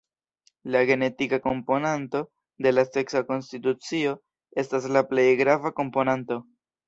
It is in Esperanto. La genetika komponanto de la seksa konstitucio estas la plej grava komponanto.